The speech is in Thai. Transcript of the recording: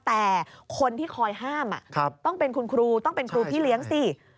แต่คนที่คอยห้ามต้องเป็นคุณครูต้องเป็นครูพี่เลี้ยงสิ